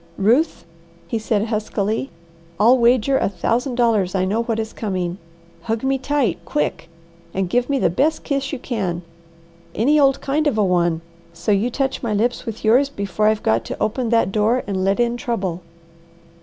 "Ruth," he said huskily. "I'll wager a thousand dollars I know what is coming. Hug me tight, quick! and give me the best kiss you can any old kind of a one, so you touch my lips with yours before I've got to open that door and let in trouble."